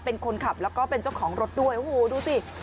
เป็นคนขับแล้วก็เป็นเจ้าของรถด้วยโอ้โหดูสิ